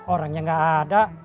orangnya gak ada